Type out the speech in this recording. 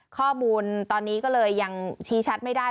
ข้อมูลตอนนี้ก็เลยยังชี้ชัดไม่ได้